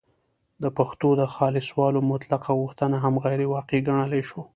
د پښتو د خالصوالي مطلقه غوښتنه هم غیرواقعي ګڼلای شو